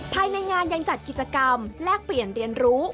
ภายในงานยังจัดกิจกรรมแลกเปลี่ยนเรียนรู้